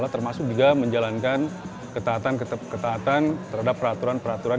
termasuk juga menjalankan ketahatan ketaatan terhadap peraturan peraturan